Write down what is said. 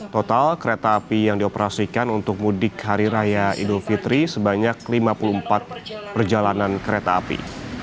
total kereta api yang dioperasikan untuk mudik hari raya idul fitri sebanyak lima puluh empat perjalanan kereta api